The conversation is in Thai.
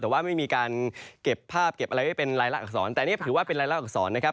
แต่ว่าไม่มีการเก็บภาพเก็บอะไรไว้เป็นรายลักษรแต่นี่ถือว่าเป็นรายละอักษรนะครับ